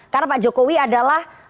karena pak jokowi adalah